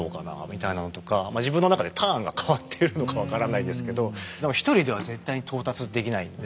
みたいなのとかまあ自分の中でターンが変わっているのか分からないですけど何か一人では絶対に到達できないんで